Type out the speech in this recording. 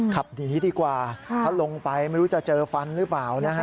ขับหนีดีกว่าถ้าลงไปไม่รู้จะเจอฟันหรือเปล่านะฮะ